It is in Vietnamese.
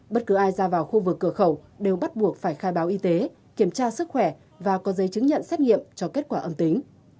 bất cứ ai ra vào khu vực cửa khẩu đều bắt buộc phải khai báo y tế kiểm tra sức khỏe và có giấy chứng nhận xét nghiệm cho kết quả âm tính